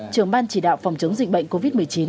trưởng ban chỉ đạo phòng chống dịch bệnh covid một mươi chín